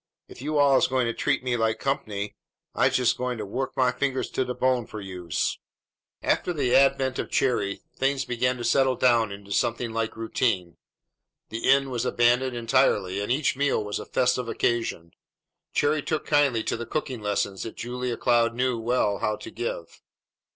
"If you all is goin' to treat me like comp'ny, I'se jest goin' to wuk my fingahs to de bone for youse!" After the advent of Cherry things began to settle down into something like routine. The inn was abandoned entirely, and each meal was a festive occasion. Cherry took kindly to the cooking lessons that Julia Cloud knew well how to give.